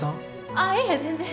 あっいえ全然